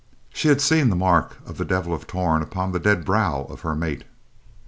She had seen the mark of the Devil of Torn upon the dead brow of her mate.